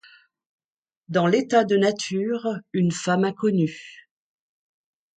Dans l'état de nature, une femme inconnue.